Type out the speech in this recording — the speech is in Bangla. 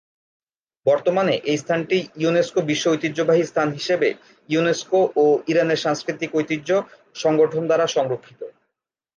বর্তমানে এই স্থানটি ইউনেস্কো বিশ্ব ঐতিহ্যবাহী স্থান হিসেবে ইউনেস্কো ও ইরানের সাংস্কৃতিক ঐতিহ্য সংগঠন দ্বারা সংরক্ষিত।